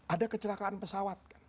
ada kecelakaan pesawat